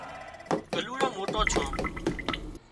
ڳلُوڙان موٽان ڇان